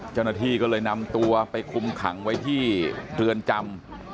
เจ้าหน้าที่ก็เลยนำตัวไปคุมขังไว้ที่เรือนจำ